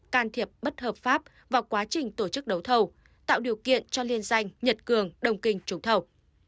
can thiệp bất hợp pháp vào quá trình tổ chức đấu thầu tạo điều kiện cho liên danh nhật cường đồng kinh trúng thầu